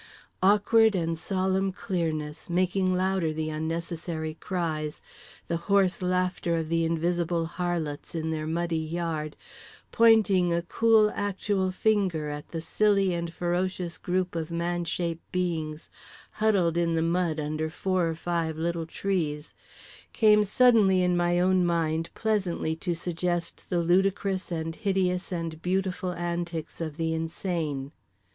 Awkward and solemn clearness, making louder the unnecessary cries, the hoarse laughter of the invisible harlots in their muddy yard, pointing a cool actual finger at the silly and ferocious group of man shaped beings huddled in the mud under four or five little trees, came strangely in my own mind pleasantly to suggest the ludicrous and hideous and beautiful antics of the insane.